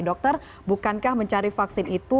dokter bukankah mencari vaksin itu